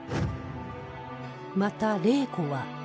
また玲子は